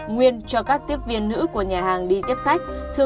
nguyên cho các tiếp viên nữ của nhà hàng đi tiếp khách